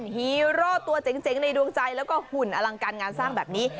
ฮีโร่ตัวเจ๋งในดวงใจแล้วก็หุ่นอลังการงานสร้างแบบนี้